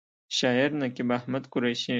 شاعر: نقیب احمد قریشي